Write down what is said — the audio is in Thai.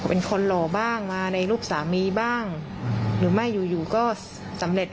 เป็นคนหล่อบ้างมาในรูปสามีบ้างหรือไม่อยู่อยู่ก็สำเร็จ